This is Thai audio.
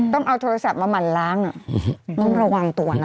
ต้องเอาโทรศัพท์มาหมั่นล้างต้องระวังตัวนะ